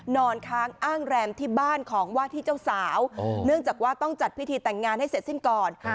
นอนค้างอ้างแรมที่บ้านของว่าที่เจ้าสาวเนื่องจากว่าต้องจัดพิธีแต่งงานให้เสร็จสิ้นก่อน